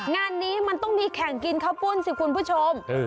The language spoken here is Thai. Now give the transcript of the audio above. งานนี้มันต้องมีแข่งกินข้าวปุ้นสิคุณผู้ชม